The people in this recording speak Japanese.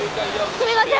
すみません。